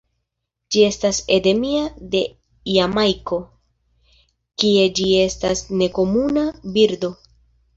Ĝi estas endemia de Jamajko, kie ĝi estas nekomuna birdo.